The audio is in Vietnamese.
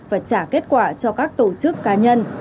trả kết quả cho các tổ chức cá nhân